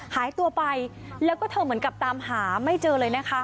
หายตัวไปแล้วก็เธอเหมือนกับตามหาไม่เจอเลยนะคะ